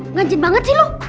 nganjit banget sih lu